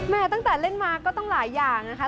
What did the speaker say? ตั้งแต่เล่นมาก็ต้องหลายอย่างนะคะ